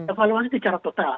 evaluasi secara total